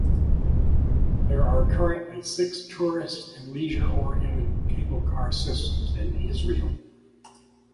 There are currently six tourist and leisure oriented cable car systems in Israel.